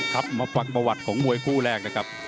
ครับมาฟังประวัติของมวยคู่แรกนะครับ